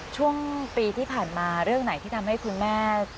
ช่วงปีที่ผ่านมาเรื่องไหนที่ทำให้คุณแม่